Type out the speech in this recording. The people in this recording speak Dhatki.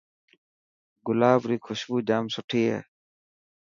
گلاب ري خوشبو ڄام سٺي هي.